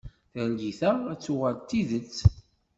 Targit-a ad tuɣal d tidet.